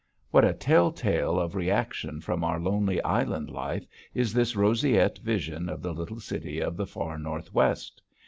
What a telltale of reaction from our lonely island life is this roseate vision of the little city of the far northwest!